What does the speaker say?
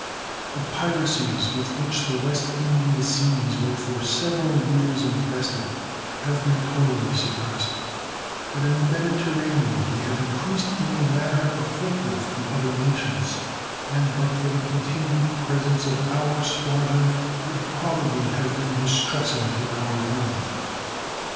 The piracies with which the West India seas were for several years infested have been totally suppressed, but in the Mediterranean they have increased in a manner afflictive to other nations, and but for the continued presence of our squadron would probably have been distressing to our own.